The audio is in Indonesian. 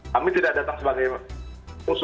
kami tidak datang sebagai